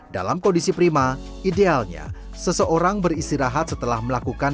dalam kondisi prima idealnya seseorang beristirahat setelah melakukan